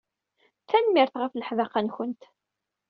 Tanemmirt ɣef leḥdaqa-nkent.